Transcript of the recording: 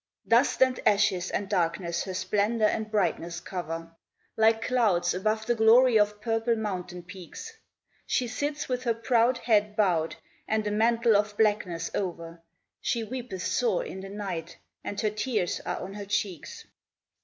Dust and ashes and darkness her splendour and brightness cover, Like clouds above the glory of purple mountain peaks; She sits with her proud head bowed, and a mantle of blackness over She weepeth sore in the night, and her tears are on her cheeks.